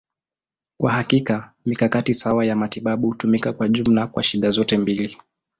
Kwa hakika, mikakati sawa ya matibabu hutumika kwa jumla kwa shida zote mbili.